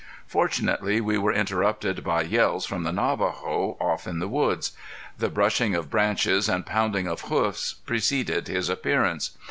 Fortunately, we were interrupted by yells from the Navajo off in the woods. The brushing of branches and pounding of hoofs preceded his appearance.